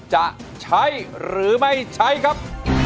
ให้กลัวให้กลัวให้กลัว